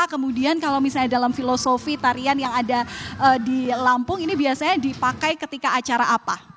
kemudian kalau misalnya dalam filosofi tarian yang ada di lampung ini biasanya dipakai ketika acara apa